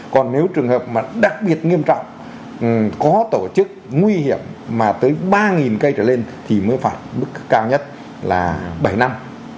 còn nếu trường hợp mà đặc biệt nghiêm trọng có tổ chức nguy hiểm mà tới ba cây trở lên thì mới phạt mức cao nhất là bảy năm